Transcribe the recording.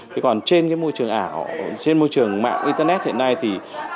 thế còn trên cái môi trường ảo trên môi trường mạng internet hiện nay thì